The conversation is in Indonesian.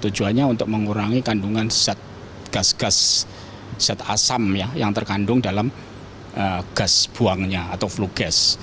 tujuannya untuk mengurangi kandungan gas gas zat asam yang terkandung dalam gas buangnya atau flue gas